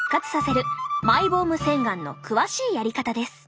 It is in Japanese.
マイボーム洗顔の詳しいやり方です。